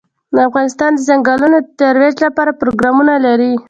افغانستان د ځنګلونه د ترویج لپاره پروګرامونه لري.